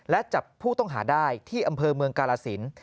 และจับผู้ต้องหาได้ที่อำเภอเมืองกาลสิน